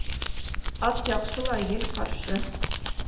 Ат яҡшы ла, ел ҡаршы.